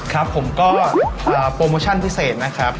ครับผมก็โปรโมชั่นพิเศษนะครับ